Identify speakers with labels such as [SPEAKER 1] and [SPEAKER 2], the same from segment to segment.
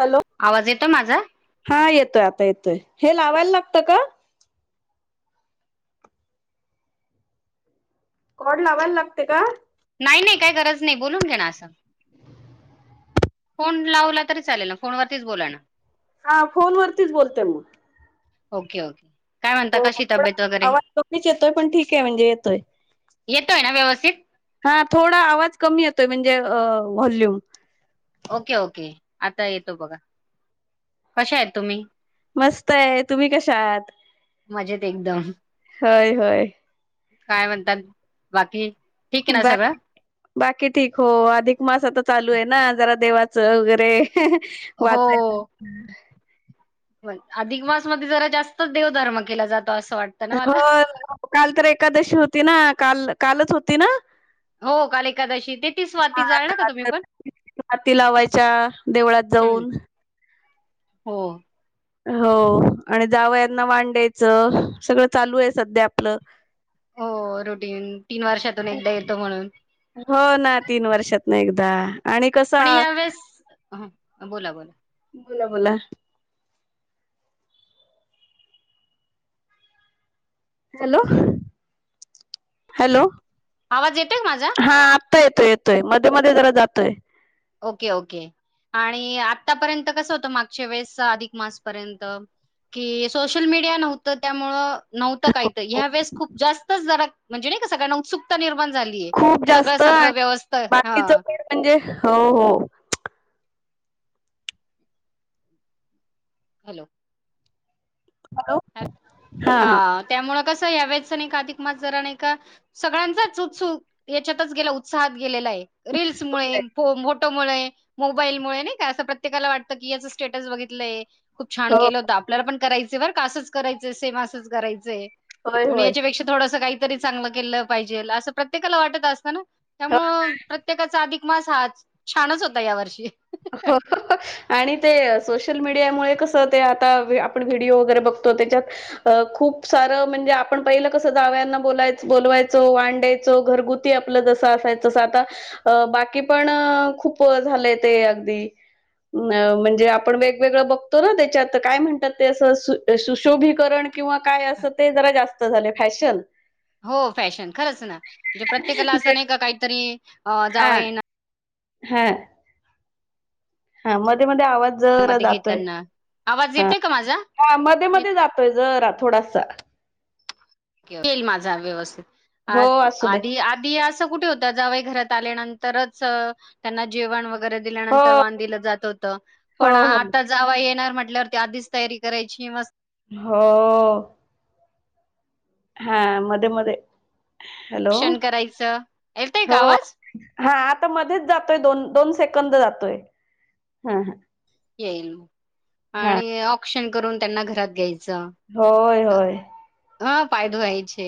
[SPEAKER 1] Hello
[SPEAKER 2] आवाज येतो माझा?
[SPEAKER 1] येतोय हा आता येतोय. हे लावायला लागतं का? कॉड लावायला लागते का?
[SPEAKER 2] नाही नाही काही गरज नाही बोलून घे ना असं फोन लावला तरी चालेल ना फोनवररतीच बोला ना
[SPEAKER 1] हा फोन वरतीच बोलते मग
[SPEAKER 2] ओके ओके काय म्हणता
[SPEAKER 1] हो
[SPEAKER 2] कशी
[SPEAKER 1] थोड
[SPEAKER 2] तब्येत वगैरे?
[SPEAKER 1] आवाज ोडीच येतोय पण ठीक आहे म्हणजे येतोय
[SPEAKER 2] येतोय ना व्यवस्थित
[SPEAKER 1] हा थोडा आवाज कमी येतोय म्हणजे वॉल्यूम
[SPEAKER 2] ओके ओके आता येतो बघा कशा आहेत तुम्ही
[SPEAKER 1] मस्त आहे तुम्ही कश आहात
[SPEAKER 2] मजेत एकदम.
[SPEAKER 1] होय होय
[SPEAKER 2] काय म्हणतात बाकी ठीक आहे ना
[SPEAKER 1] बा
[SPEAKER 2] सगळं?
[SPEAKER 1] बाकी ठीक हो अधिक मास आता चालू आहे ना जरा देवा वगैरे वाचायला
[SPEAKER 2] ण अधिक मास मध्ये जरा जास्तच देवधर्म केला जातो असं वाटतं ना
[SPEAKER 1] हो
[SPEAKER 2] मला.
[SPEAKER 1] काल तर एकादशी होती ना काल कालच होती ना
[SPEAKER 2] हो काल एकादशी ते ती स्वाती
[SPEAKER 1] हा
[SPEAKER 2] जाल ना का
[SPEAKER 1] काल
[SPEAKER 2] तुम्ही
[SPEAKER 1] तर
[SPEAKER 2] पण
[SPEAKER 1] माती लावायच्या देवळात
[SPEAKER 2] हम्म.
[SPEAKER 1] जाऊन
[SPEAKER 2] हो
[SPEAKER 1] हो आणि जावयाना वांड्यायचं सगळं चालू आहे सध्या आपलं
[SPEAKER 2] हो रुटीन तीन वर्षातून एकदा येतो म्हणून
[SPEAKER 1] हो ना तीन वर्षात ना एकदा आणि कसा
[SPEAKER 2] पण या वेळेस बोला बोला
[SPEAKER 1] बोला बोला हॅलो हॅलो
[SPEAKER 2] आवाज येतोय का माझा?
[SPEAKER 1] हा आता येतोय येतोय मध्ये मध्ये जरा जातोय
[SPEAKER 2] ओके ओके आणि आतापर्यंत कसं होतं मागच्या वेळेस अधिक मासपर्यंत कि सोशल मीडिया नव्हतं त्यामुळं नव्हतं काहीत ह्या वेळेस खूप जास्तच जर म्हणजे नाही का सगळ्यांना उत्सुक निर्बंध
[SPEAKER 1] खूप जास्त आणि
[SPEAKER 2] हा
[SPEAKER 1] बाकीच पे म्हणजे हो हो
[SPEAKER 2] हॅलो अ हा त्यामु कस या वचं नाही काधिक मास जरा नाही का सगळ्यांचाच उत्सुक याच्यातच गेला उत्साहात रीलल् मु फोटोमुळे मोबाईल मु नाही का अस प्रत्येकाला वाटतं की याच स्टेटस बघितलंय खूप छान
[SPEAKER 1] हो
[SPEAKER 2] केलं होतं... आपल्याला पण करायचय बर का.... असंच करायचय. सेम असंच करायचंय.
[SPEAKER 1] होय
[SPEAKER 2] आणि
[SPEAKER 1] होय
[SPEAKER 2] याच्यापेक्षा थोडस काहीतरी चांगलं केलं पाहिजे. असं प्रत्येकाला वाटत असतं ना. त्यामुळ प्रत्येकाचा अधिक मास हा छानच होता या वर्षी.
[SPEAKER 1] आणि ते सोशल मीडियामुळे कसं ते आता आपण व्हिडीओ वगैरे बघत- त्याच्यात खूप सार म्हणजे आपण पहिलं कस जाव्यांना बोला-बोलवायचं. घरगुती आपलं जस असायाचं.. तस आता बाकी पण खूप झालं. ते अगदी. अ म्हणजे आपण वेगवेगळं बघतो ना... त्याच्यात काय म्हणतात ते असशोभीकरण. किंवा काय अस ते जरा जास्त झालयं फॅशन.
[SPEAKER 2] हो फॅशन खरंच ना... म्हणजे प्रत्येकाला
[SPEAKER 1] ते
[SPEAKER 2] असं नाही का काहीतरी जावं ये ना.
[SPEAKER 1] हा. हा मध्ये मध्ये आवाज.
[SPEAKER 2] [unintelligible] मध्ये घेताना. आवाज
[SPEAKER 1] हा..
[SPEAKER 2] येतोय का माझा
[SPEAKER 1] हा.. मध्ये मध्ये जातोय जरा.. आ थोडासा.
[SPEAKER 2] तेल माझा व्यवस्थित.
[SPEAKER 1] हो असू दे
[SPEAKER 2] अ-आधी आधी असं कुठे होतं. जावई घरात आल्यानंतरच- त्यांना जेवण वगैरे
[SPEAKER 1] हो
[SPEAKER 2] दिल्यानंतर वान दिलं जात होतं.
[SPEAKER 1] हो
[SPEAKER 2] पण
[SPEAKER 1] हो
[SPEAKER 2] आता जावा येणार म्हटल्या- म्हटल्यावरती आधीच तयारी करायची मस्त.
[SPEAKER 1] हो... हॊ... हा मध्ये मध्ये... हॅलो
[SPEAKER 2] ऑक्शन करायचं येतय का
[SPEAKER 1] हो...
[SPEAKER 2] आवाज
[SPEAKER 1] हा आता मध्येच जातोय. दोन दोन सेकंद जातोय. हा.. हा..
[SPEAKER 2] येईल
[SPEAKER 1] हा
[SPEAKER 2] आणि औक्षण करून त्यांना घरात घ्यायचं.
[SPEAKER 1] होय.. होय..
[SPEAKER 2] हा पाय धुवायचे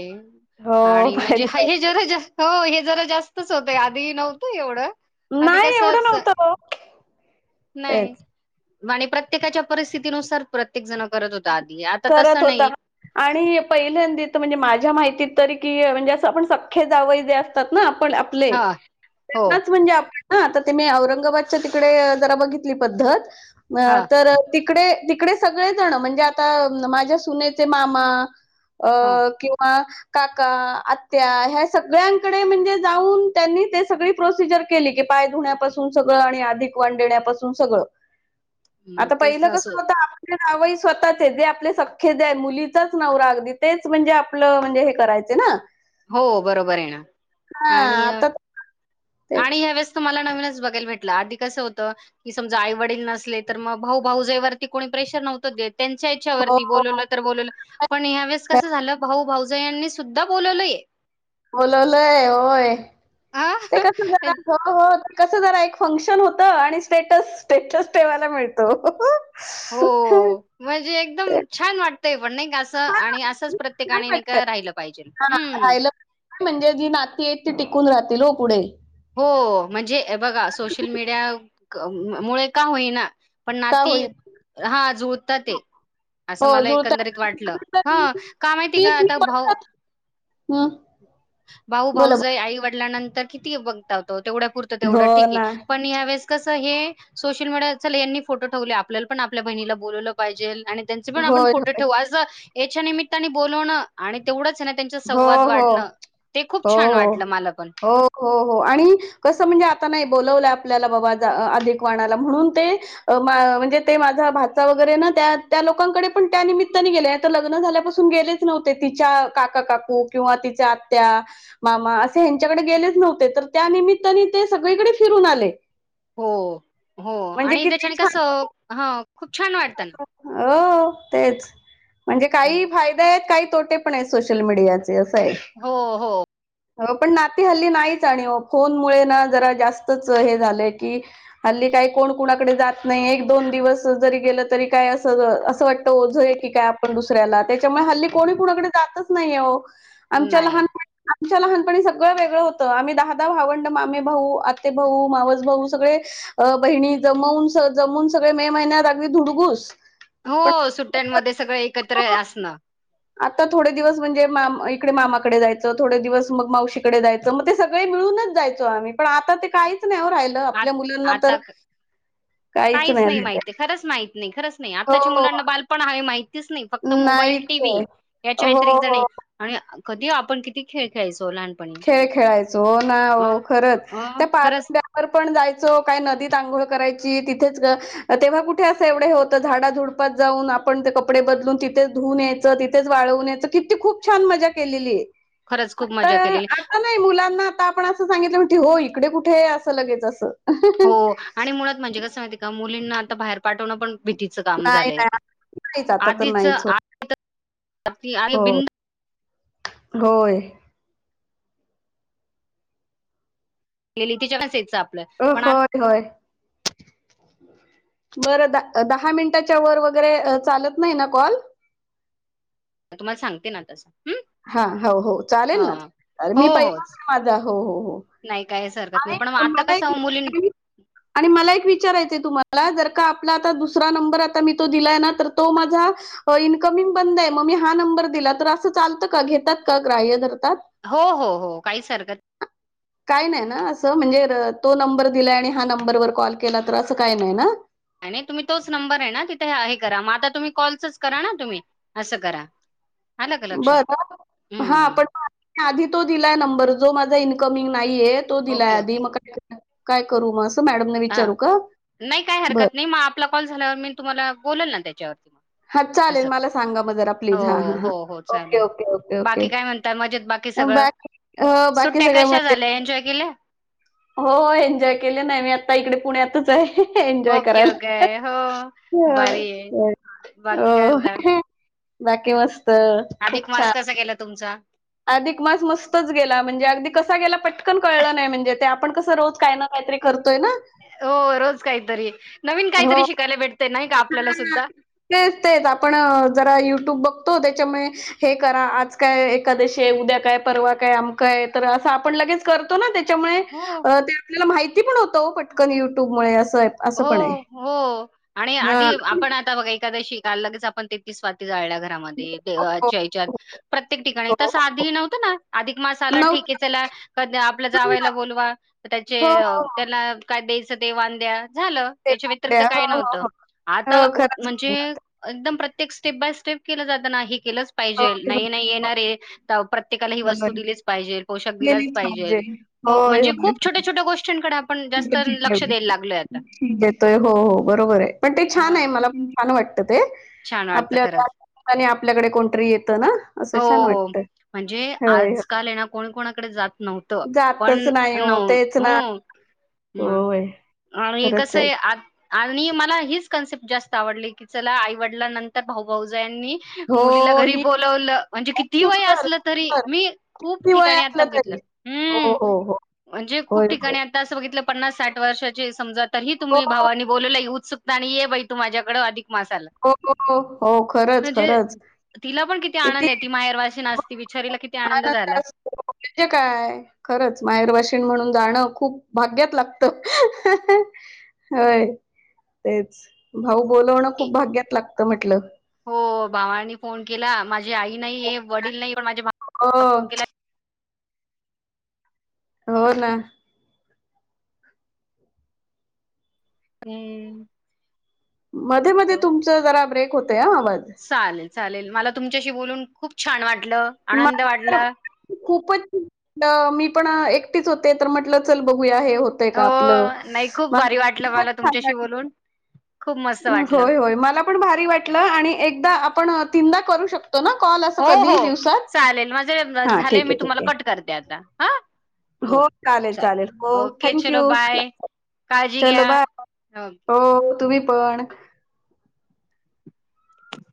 [SPEAKER 1] हो
[SPEAKER 2] आणि
[SPEAKER 1] पाय
[SPEAKER 2] म्हणजे हा
[SPEAKER 1] दुखायला
[SPEAKER 2] हे जरा जास्तचं- हो हे जरा जास्तच होतंय... आधी नव्हतं एवढं.. आधी
[SPEAKER 1] नाही एवढं
[SPEAKER 2] कसच.
[SPEAKER 1] नव्हतं ओ
[SPEAKER 2] नाही
[SPEAKER 1] तेच
[SPEAKER 2] आणि प्रत्येकाच्या परिस्थितीनुसार प्रत्येक जण. करत होता आधी आता
[SPEAKER 1] करत
[SPEAKER 2] तसं
[SPEAKER 1] होता
[SPEAKER 2] नाही.
[SPEAKER 1] आणि पहिल्यांदी तर म्हणजे माझ्या माहितीत- तरी कि म्हणजे अस आपण सख्खे जावय जे असतात ना आपण आपले
[SPEAKER 2] हा हो
[SPEAKER 1] त्यांनाच म्हणजे आपण- हा आता त मी औरंगाबादच्या तिकडे जरा बघितली पद्धत
[SPEAKER 2] हा
[SPEAKER 1] तर तिकडे त- तिकडे सगळे जण म्हणजे आता माझ्या सुनेचे मामा अ
[SPEAKER 2] हो
[SPEAKER 1] किंवा - काका आत्या ह्या सगळ्यांकडे म्हणजे जाऊन त्यांनी ते सगळी प्रोसिजर केली की. पाय धुण्यापासून सगळं आणि अधिक वाण देण्यापासून सगळं.
[SPEAKER 2] [inaudible] मग
[SPEAKER 1] आता
[SPEAKER 2] तेच
[SPEAKER 1] पहिलं कस
[SPEAKER 2] नसो
[SPEAKER 1] होत आप- जावई स्वतःचे जे आपले सखे जे आहेत मुलीचाच नवरा अगदी तेच म्हणजे आपलं म्हणजे हे करायच ना.
[SPEAKER 2] हो बरोबर आहे ना
[SPEAKER 1] हां
[SPEAKER 2] आणि
[SPEAKER 1] आता
[SPEAKER 2] आणि
[SPEAKER 1] तेच.
[SPEAKER 2] ह्या वळेस तर मला. नवीन चं बघायला भेटलं.. आधी कस होतं आईवडील नसले. तर मग भाऊ भाऊजईवरती कोणी प्रेशर नव्हतं देत. त्यांच्या
[SPEAKER 1] हो,
[SPEAKER 2] इच्छावरती
[SPEAKER 1] हो.
[SPEAKER 2] बालवलं तर बोलवलं.
[SPEAKER 1] हो.
[SPEAKER 2] पण ह्या वेळी कस झालं भाऊ भावजई- जय यांनी सुद्धा.. बोलवलंय आहे.
[SPEAKER 1] बोलवलयं होय.
[SPEAKER 2] हा
[SPEAKER 1] ते कस जरा हो.. हो.. कसं जरा एक फंक्शन होतं आणि स्टेटस स्टेटस ठेवायला मिळतो.
[SPEAKER 2] हो म्हणजे एकदम
[SPEAKER 1] ते
[SPEAKER 2] छान वाटलं. पण नाही असं
[SPEAKER 1] छान
[SPEAKER 2] आणि असंच
[SPEAKER 1] वाटतं छान
[SPEAKER 2] प्रत्येकाने नाही का
[SPEAKER 1] वाटतं.
[SPEAKER 2] राहिलं पाहिजे.
[SPEAKER 1] हां
[SPEAKER 2] हम्म...
[SPEAKER 1] राहिलं म्हणजे जी नाती आहेत ती टिकून राहतील हो पुढे
[SPEAKER 2] हो म्हणजे बघा, सोशल मीडिया मुळे का होईना. पण
[SPEAKER 1] का
[SPEAKER 2] नाती
[SPEAKER 1] होईल
[SPEAKER 2] हा जुळतात हे.. असं
[SPEAKER 1] हो
[SPEAKER 2] मला
[SPEAKER 1] जुळतात
[SPEAKER 2] एकंदरीत वाटलं. हा.. का माहिती का आता भाऊ.
[SPEAKER 1] व.
[SPEAKER 2] भाऊ भाऊजई आई वडलान नंतर किती बंघतात हो. तेवढ्यापुरतं
[SPEAKER 1] हो
[SPEAKER 2] तेवढं ठीक हाय
[SPEAKER 1] ना
[SPEAKER 2] पण ह्यावेेळेस कस हे हाय सोशल मीडियावरचा ह्यांनी फोटो ठेवले आपल्याला पण आपल्या बहिणीला बोलवलं पाहिजेल आणि त्यांचे पण आपण
[SPEAKER 1] होय
[SPEAKER 2] फोटो
[SPEAKER 1] होय
[SPEAKER 2] ठेवू असं याच्या निमित्ताने बोलवणं आणि तेवढंच च ना त्यांच्यात
[SPEAKER 1] हो
[SPEAKER 2] संवाद
[SPEAKER 1] हो
[SPEAKER 2] वाढणं. ते खूप
[SPEAKER 1] हो
[SPEAKER 2] छान
[SPEAKER 1] हो
[SPEAKER 2] वाटलं मला पण.
[SPEAKER 1] हो हो हो आणि कसं म्हणजे आता नाई ब बोलवलंय आपल्याला बाबा जा अ अधिक व्हणाला म्हणून ते अ मा अं म्हणजे माझा भाच्चा वर्गे ना ते त्या त्या लोकांकडे पण त्या निमित्ताने गेल्यात तर लग्न झाल्यापासून गेलेच नव्हते तिच्या काका काकू किंवा तिच्या आत्या मामा असे ह्यांच्याकडे गेलेच नव्हते तर त्या निमित्ताने ते सगळीकडे फिरून आले.
[SPEAKER 2] हो हो
[SPEAKER 1] म्हणजे
[SPEAKER 2] आणि
[SPEAKER 1] किती
[SPEAKER 2] त्याच्याने
[SPEAKER 1] छान
[SPEAKER 2] कसं हा खूप छान वाटतं.
[SPEAKER 1] हो तेच म्हणजे काही
[SPEAKER 2] हं.
[SPEAKER 1] फायदे हाईत काई तोटे पण हैत सोशल मीडियाच चे असं
[SPEAKER 2] हो, हो.
[SPEAKER 1] हाय. पण नाती हाल्ली नाहीच आणि ओ फोन मुळे ना जरा जास्तच हे झालंय की हाल्ली काय काय कोण कुणाकडे जात नाही एक दोन दिवस जरी गेलं तरी काय असच असं वाटत ओझं हाय की काय. आपण दुसऱ्याला त्याच्यामुळे हाल्ली कोणी कुणाकडे जातच नाहीयाय ओ.
[SPEAKER 2] नाई.
[SPEAKER 1] आमच्या लहानपणी सगळं वेगळं होतं आम्ही दहा दहा भावंड मामेभाऊ, आतेभाऊ, मावसभाऊ सगळे अ बहिणी जमवून स -जमून सगळे मे महिन्यात आगदी धुडगूस पण
[SPEAKER 2] हो सुट्टयांमध्ये सगळं एकत्र आसणं.
[SPEAKER 1] आता थोडे दिवस म्हणजे माम -इकडे मामाकडे जायचं थोडे दिवस मग मावशीकडे जायचं मग ते सगळे मिळूनच जायचो आ आम्ही पण आता ते काहीच नाही ओ राहिलं
[SPEAKER 2] आत
[SPEAKER 1] आपल्या मुलिंना तर
[SPEAKER 2] आता क काहीच नाही, महिती खरंच माहित नाई, खरंच नाई आताच्या
[SPEAKER 1] हो
[SPEAKER 2] मुलांना बालपण आहे माहित तीच नाई फक्त मोबाईल,
[SPEAKER 1] नाहीच
[SPEAKER 2] टीव्ही
[SPEAKER 1] आहे.
[SPEAKER 2] याच्या
[SPEAKER 1] हो
[SPEAKER 2] व्यतरीक्त नाई
[SPEAKER 1] हो
[SPEAKER 2] आणि कधी आपण किती खेळ खेळायचो लहान
[SPEAKER 1] खेळ खेळायचो हो ना हो खरंच
[SPEAKER 2] अ,
[SPEAKER 1] त्या
[SPEAKER 2] खरंच,
[SPEAKER 1] -पारंब्यावर पण जायचो काय नदीत नदीत आंघोळ करायची तिथेच ग- तेव्हा कुठे असं एवढं हे होत झाडाझुडपात जाऊन आपण ते कपडे ब बदलून तिथेच धुवून यायच तिथेच वाळवून यायचं किती खूप छान मजा केलेली.
[SPEAKER 2] खरंच खूप मजा
[SPEAKER 1] तर
[SPEAKER 2] केलेली.
[SPEAKER 1] आता नाई मुलांना आता आपण असं सांगितलं म्हणतील होय इकडे कुठे? असं लगेच असं.
[SPEAKER 2] हो आणि मुळात म्हणजे कसं माहिती हाय का मुलींना आता बाहेर पाठवणं पण भीतीच काम
[SPEAKER 1] नाही
[SPEAKER 2] झालंय
[SPEAKER 1] नाही नाहीच
[SPEAKER 2] [inaudible]
[SPEAKER 1] आता तर
[SPEAKER 2] आधीच
[SPEAKER 1] नाहीच हो
[SPEAKER 2] आ आधी आहे
[SPEAKER 1] हो
[SPEAKER 2] बिन
[SPEAKER 1] होय.
[SPEAKER 2] लेली [unintelligible]
[SPEAKER 1] अ
[SPEAKER 2] पण
[SPEAKER 1] होय
[SPEAKER 2] आता
[SPEAKER 1] -होय.
[SPEAKER 2] [inaudible]
[SPEAKER 1] बर दा- दहा मिंनटाच्या वर वगरे अ चालत नाही ना कॉल?
[SPEAKER 2] मी तुम्हाला सांगते ना तसं. हम्म
[SPEAKER 1] हा हो- हो
[SPEAKER 2] ह
[SPEAKER 1] चालेल ना तर मी
[SPEAKER 2] हो
[SPEAKER 1] पहिलाच-
[SPEAKER 2] होच
[SPEAKER 1] माझा हो- हो हो.
[SPEAKER 2] नाही काहीच हरकत
[SPEAKER 1] आणि
[SPEAKER 2] नाही पण मग आता कसं मुलीं
[SPEAKER 1] [unintelligible] आणि मला एक विचारायचं तुम्हाला जर का आपला आता दुसरा नंबर आता मी तो दिलाय ना तर तो माझा इनकमिंग बंद हाय म मी हा नं नंबर दिला तर आसं चालतं? का घेतात का ग्राह्य धरत
[SPEAKER 2] हो- हो -हो काहीच हरकत
[SPEAKER 1] काय नाई ना असं म्हणजे र -तो नंबर दिलाय आणि हा नंबरवर कॉल केला तर असं काय नाही ना?
[SPEAKER 2] नाय- नाय तुम्ही तोच नंबर हाय ना तिथे हा हे करा म आता तुम्ही कॉलचच करा ना तुम्ही आसं करा. [inaudible]
[SPEAKER 1] बर हा-
[SPEAKER 2] हम्म
[SPEAKER 1] पण आधी -तो दिलाय नंबर जो माझा इनकमिंग नाईयेय तो दिलाय
[SPEAKER 2] ओके
[SPEAKER 1] आधी
[SPEAKER 2] ओके
[SPEAKER 1] [unintelligible] मग का काय करू म अस मॅडमना
[SPEAKER 2] हा
[SPEAKER 1] विचारू का?
[SPEAKER 2] नाही काय
[SPEAKER 1] बर
[SPEAKER 2] हरकत नाही मग आपला कॉल झाल्यावर मी तुम्हाला बोलेल ना त्याच्यावर.
[SPEAKER 1] हां
[SPEAKER 2] अस
[SPEAKER 1] चालेल मला सांगा मग जरा
[SPEAKER 2] हो
[SPEAKER 1] प्लीज हां, हां, हां.
[SPEAKER 2] -हो -हो
[SPEAKER 1] ओके,
[SPEAKER 2] चालेल
[SPEAKER 1] ओके, ओके, ओके.
[SPEAKER 2] बाकी काय म्हणतात मजेत? बाकी सगळं
[SPEAKER 1] बाकी हो बाकी
[SPEAKER 2] सुट्या
[SPEAKER 1] सगळं
[SPEAKER 2] कशा
[SPEAKER 1] मजेत.
[SPEAKER 2] झाल्या एन्जॉय केल्या?
[SPEAKER 1] हो -हो एन्जॉय केल्या नाही मी आता इकडे पुण्यातच हाय. एन्जॉय
[SPEAKER 2] ओके ओके
[SPEAKER 1] करायला
[SPEAKER 2] हो भारी आहे
[SPEAKER 1] [inaudible]
[SPEAKER 2] बाकी काय म्हणता
[SPEAKER 1] हो बाकी मस्त
[SPEAKER 2] अधिक
[SPEAKER 1] खूप
[SPEAKER 2] मास
[SPEAKER 1] छान.
[SPEAKER 2] कसा गेला तुमचा
[SPEAKER 1] अधिक मास मस्तच गेला म्हणजे अगदी कसा गेला पटकन कळलं नाही म्हणजे ते आपण कसं रोज काय ना काहीतरी करतो तोयना
[SPEAKER 2] हो रोज काहीतरी नवीन
[SPEAKER 1] हो.
[SPEAKER 2] काहीतरी शिकायला भेटते नाही का आपल्याला सुद्धा.
[SPEAKER 1] पण जरा युट्यूब बघतो त्याच्यामुळे हे करा आज काय एकादशी उद्या काय, परवा काय अमकय तर असं आपण लगेच करतो ना. त्याच्यामुळे
[SPEAKER 2] हो
[SPEAKER 1] ते आपल्याला माहिती पण होत पटकन युट्यूबमुळे अस
[SPEAKER 2] हो -हो-हो-हो आणि
[SPEAKER 1] हा.
[SPEAKER 2] आधी आपण आता बघा एकादशी का लगेच आपण तेतीस वाती जाळल्या. घरामध्ये
[SPEAKER 1] हो हो
[SPEAKER 2] [unintelligible] प्रत्येक ठिकाणी
[SPEAKER 1] हो
[SPEAKER 2] तस
[SPEAKER 1] हो
[SPEAKER 2] आधी न्हवत ना अधिक मास आला ठीक आहे
[SPEAKER 1] नव्हत्या
[SPEAKER 2] चला आपलं
[SPEAKER 1] पण ना
[SPEAKER 2] जावायला बोलवा त्याचे
[SPEAKER 1] हो हो हो.
[SPEAKER 2] त्यांना काय द्यायचं ते वान द्या झालं
[SPEAKER 1] ते
[SPEAKER 2] याच्या व्यतिरिक्त
[SPEAKER 1] आपल्या
[SPEAKER 2] काय
[SPEAKER 1] हो हो
[SPEAKER 2] नव्हतं
[SPEAKER 1] हो
[SPEAKER 2] आता
[SPEAKER 1] हो खरंच
[SPEAKER 2] म्हणजे एकदम प्रत्य एक स्टेप बाय स्टेप केलं जात ना केलंच पाहिजेल नाही नाही येणारे तर प्रत्येकाला ही
[SPEAKER 1] बरोबर.
[SPEAKER 2] वस्तू दिलीच पाहिजे पोषक दिलाच पाहिजे
[SPEAKER 1] होय
[SPEAKER 2] म्हणजे
[SPEAKER 1] होय
[SPEAKER 2] खूप छोट्या छोट्या गोष्टींकडे पण जास्त
[SPEAKER 1] कुठे
[SPEAKER 2] लक्ष द्यायला
[SPEAKER 1] चिटकवली.
[SPEAKER 2] लागलोय आता
[SPEAKER 1] देतोय हो हो बरोबर आहे पण ते छान आहे
[SPEAKER 2] हा
[SPEAKER 1] मला पण छान वाटतं
[SPEAKER 2] छान वाटतं
[SPEAKER 1] आपल्या
[SPEAKER 2] खरंच
[SPEAKER 1] आपल्याकडे कोणतरी ना असं छान
[SPEAKER 2] हो
[SPEAKER 1] वाटतं
[SPEAKER 2] म्हणजे
[SPEAKER 1] होय होय
[SPEAKER 2] आजकाल ये ना कोणी कोणाकडे जात नव्हत
[SPEAKER 1] जातच
[SPEAKER 2] पण
[SPEAKER 1] नाही हो
[SPEAKER 2] नऊ
[SPEAKER 1] तेच ना
[SPEAKER 2] हो ह
[SPEAKER 1] होय
[SPEAKER 2] आणि
[SPEAKER 1] खरंच आहे
[SPEAKER 2] कसय आ आणि मला हिच कन्सेप्ट जास्त आवडले की चला आईवडला नंतर भाऊ भाऊज मुलीला
[SPEAKER 1] हो
[SPEAKER 2] घरी
[SPEAKER 1] ही
[SPEAKER 2] बोलवलं म्हणजे
[SPEAKER 1] खूप
[SPEAKER 2] किती वय
[SPEAKER 1] सुंदर
[SPEAKER 2] असलं तरी
[SPEAKER 1] सुंदर
[SPEAKER 2] मी खूप
[SPEAKER 1] किती वय
[SPEAKER 2] ठिकाणी आता
[SPEAKER 1] असलं
[SPEAKER 2] बगितलं
[SPEAKER 1] तरी हो
[SPEAKER 2] हम्
[SPEAKER 1] हो हो
[SPEAKER 2] म्हणजे खूप
[SPEAKER 1] होय होय
[SPEAKER 2] ठिकाणी आता असं बग पन्नास साठ वर्षाची समजा तरीही
[SPEAKER 1] हो
[SPEAKER 2] तुम्ही भावानी बोलवलंय उत्सुकता आणि ये बाई तू माझ्याकडे अधिक
[SPEAKER 1] हो हो हो खरंच
[SPEAKER 2] म्हणजे
[SPEAKER 1] खरंच
[SPEAKER 2] तिला पण किती आनंद य [inaudible]
[SPEAKER 1] आनंद
[SPEAKER 2] झाला.
[SPEAKER 1] असतो म्हणजे काय खरंच माहेर वाशीन म्हणून जाणं खूप भाग्यात लागत होय तेच भाऊ बोलवणं खूप भाग्यात लागतं म्हटलं
[SPEAKER 2] हो भावांनी फोन केला माझी आई नाही हे वडील नाही पण माझ्या
[SPEAKER 1] हो
[SPEAKER 2] भा फोन केला
[SPEAKER 1] हो ना
[SPEAKER 2] हम्म
[SPEAKER 1] मध्ये मध्ये
[SPEAKER 2] हॅलो.
[SPEAKER 1] तुमच जरा ब्रेक होतय आवाज
[SPEAKER 2] चालेल चालेल मला तुमच्याशी बोलून खूप छान वाट
[SPEAKER 1] खूपच मी पण एक ऐकटीच होते तर म्हटलं चल बघूया होतय का
[SPEAKER 2] हो
[SPEAKER 1] आपलं
[SPEAKER 2] नाही खूप भारी वाटलं
[SPEAKER 1] खूपच
[SPEAKER 2] मला
[SPEAKER 1] छान
[SPEAKER 2] तुमच्याशी
[SPEAKER 1] वाटलं
[SPEAKER 2] बोलून
[SPEAKER 1] [unintelligible]
[SPEAKER 2] खूप मस्त वाटलं
[SPEAKER 1] होय होय मला पण भारी वाटलं आणि एकदा आपण तीनदा करू शक कॉल अस
[SPEAKER 2] हो
[SPEAKER 1] कधीही
[SPEAKER 2] हो.
[SPEAKER 1] दिवसात
[SPEAKER 2] चालेल माझे
[SPEAKER 1] हा
[SPEAKER 2] झाले
[SPEAKER 1] ठीक
[SPEAKER 2] मी
[SPEAKER 1] आहे ठीक
[SPEAKER 2] तुम्हाला
[SPEAKER 1] आहे
[SPEAKER 2] कट करते आता हा
[SPEAKER 1] हो चालेल चालेल हो
[SPEAKER 2] ओके चलो
[SPEAKER 1] थँक्यू
[SPEAKER 2] बाय काळजी
[SPEAKER 1] चलो
[SPEAKER 2] घ्या.
[SPEAKER 1] बाय हो तुम्ही पण